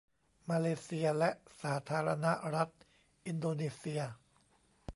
มาเลเซียและสาธารณรัฐอินโดนีเซีย